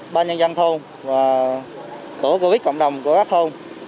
ba nhân dân thôn và tổ chức cộng đồng của các thôn